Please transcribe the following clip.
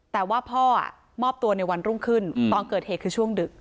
แต่ว่าพ่อมอบตัวในวันรุ่งขึ้นตอนเกิดเหตุคือช่วงดึก